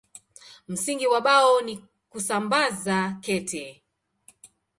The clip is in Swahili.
Msingi wa Bao ni kusambaza kete.